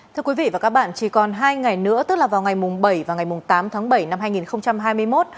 thưa quý vị và các bạn chỉ còn hai ngày nữa tức là vào ngày bảy và ngày tám tháng bảy năm hai nghìn hai mươi một